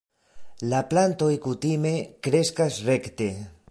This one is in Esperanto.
La plantoj kutime kreskas rekte.